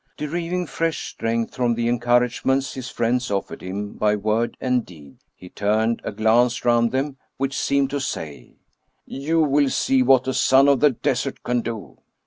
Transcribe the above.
Deriving fresh strength from the encouragements his friends offered him by word and deed, he turned a glance round them, which seemed to say :" You will see what a son of the desert can do."